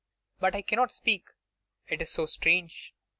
But I cannot speak. It is so strange.